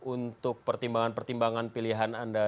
untuk pertimbangan pertimbangan pilihan anda